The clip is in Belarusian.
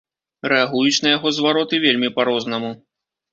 Рэагуюць на яго звароты вельмі па-рознаму.